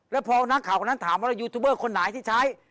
แล้วพอนักข่าวคนนั้นถามว่ายูทูบเบอร์คนไหนที่ใช้